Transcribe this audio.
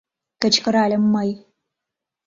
— кычкыральым мый.